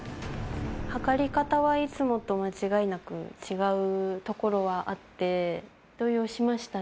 測り方はいつもと間違いなく違うところはあって、動揺しましたね。